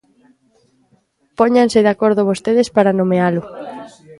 Póñanse de acordo vostedes para nomealo.